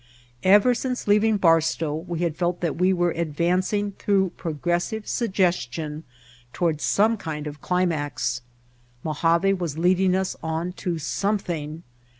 Ever since leaving Barstow we had felt that we were advancing through progressive suggestion toward some kind of a climax. Mojave was leading us on to something.